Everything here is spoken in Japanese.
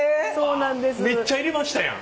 めっちゃ入れましたやん。